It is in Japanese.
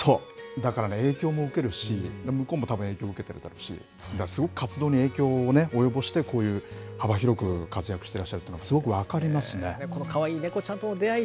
だからね、影響も受けるし、向こうもたぶん、影響受けてるだろうし、すごく活動に影響を及ぼして、こうやって活躍してらっしゃるっていうのが、すごく分かりますね。